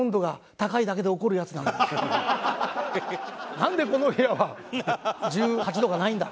なんでこの部屋は１８度がないんだ！